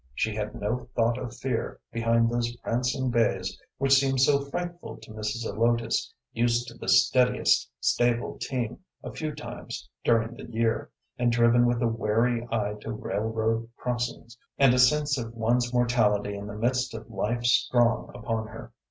She had no thought of fear behind those prancing bays which seemed so frightful to Mrs. Zelotes, used to the steadiest stable team a few times during the year, and driven with a wary eye to railroad crossings and a sense of one's mortality in the midst of life strong upon her.